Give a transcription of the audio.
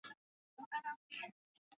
Toa maneno hayo kwa sentensi